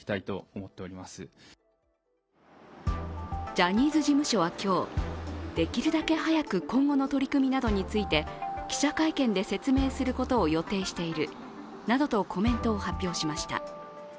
ジャニーズ事務所は今日できるだけ早く今後の取り組みなどについて記者会見で説明することを予定しているなどとコメントを発表しました。